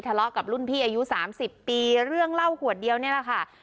ทะเลาะกับรุ่นพี่อายุ๓๐ปีเรื่องเหล้าขวดเดียวนี่แหละค่ะ